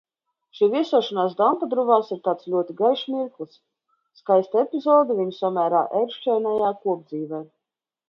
Šī viesošanās Dampadruvās ir tāds ļoti gaišs mirklis, skaista epizode viņu samērā ērkšķainajā kopdzīvē.